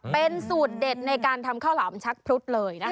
เป็นสูตรเด็ดในการทำข้าวหลามชักพรุษเลยนะคะ